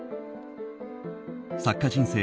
作家人生